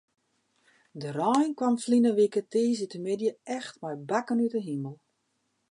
De rein kaam ferline wike tiisdeitemiddei echt mei bakken út de himel.